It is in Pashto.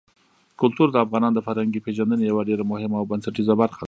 کلتور د افغانانو د فرهنګي پیژندنې یوه ډېره مهمه او بنسټیزه برخه ده.